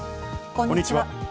こんにちは。